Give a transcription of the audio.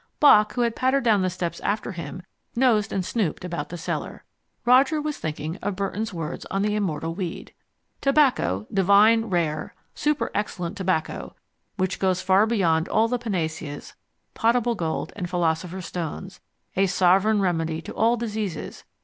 Bock, who had pattered down the steps after him, nosed and snooped about the cellar. Roger was thinking of Burton's words on the immortal weed Tobacco, divine, rare, superexcellent tobacco, which goes far beyond all the panaceas, potable gold, and philosopher's stones, a sovereign remedy to all diseases.